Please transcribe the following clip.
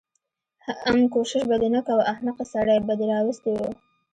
حم کوشش به دې نه کوه احمقې سړی به دې راوستی و.